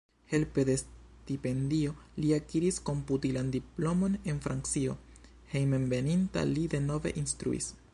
Helpe de stipendio li akiris komputilan diplomon en Francio, hejmenveninta li denove instruis.